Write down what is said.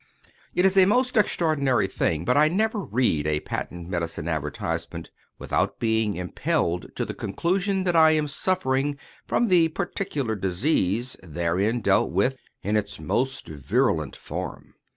It is a most extraordinary thing, but I never read a patent medicine advertisement without being impelled to the conclusion that I am suffering from the particular disease therein dealt with in its most virulent form.